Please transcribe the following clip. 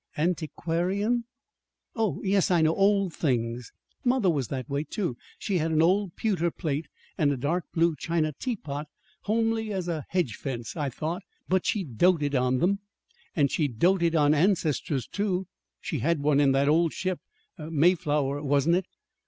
"Antiquarian? Oh, yes, I know old things. Mother was that way, too. She had an old pewter plate, and a dark blue china teapot, homely as a hedge fence, I thought, but she doted on 'em. And she doted on ancestors, too. She had one in that old ship Mayflower, wasn't it?"